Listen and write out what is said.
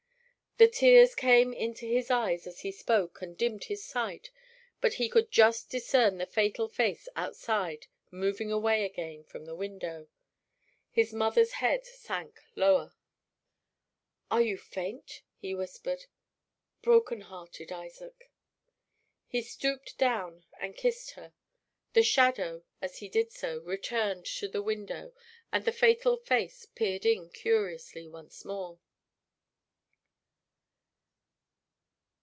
The tears came into his eyes as he spoke and dimmed his sight, but he could just discern the fatal face outside moving away again from the window. His mother's head sank lower. "Are you faint?" he whispered. "Broken hearted, Isaac." He stooped down and kissed her. The shadow, as he did so, returned to the window, and the fatal face peered in curiously once more.